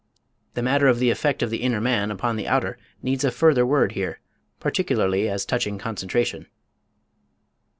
This matter of the effect of the inner man upon the outer needs a further word here, particularly as touching concentration.